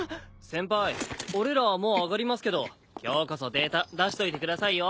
・先輩俺らもう上がりますけど今日こそデータ出しといてくださいよ。